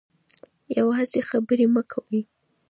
یوازې خبرې مه کوئ.